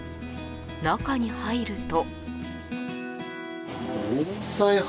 中に入ると。